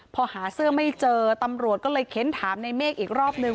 พอหาเสื้อไม่เจอตำรวจก็เลยเค้นถามในเมฆอีกรอบนึง